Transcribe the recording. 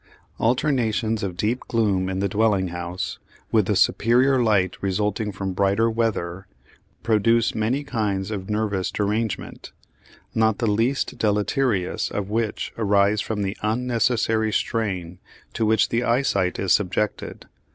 Alternations of deep gloom in the dwelling house with the superior light resulting from brighter weather produce many kinds of nervous derangement, not the least deleterious of which arise from the unnecessary strain to which the eyesight is subjected.